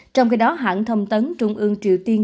trong khi đó hãng thông tấn trung ương triều tiên